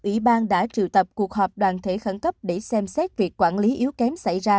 ủy ban đã triệu tập cuộc họp đoàn thể khẩn cấp để xem xét việc quản lý yếu kém xảy ra